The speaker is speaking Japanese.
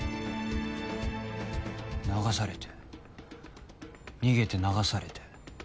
流されて逃げて流されて。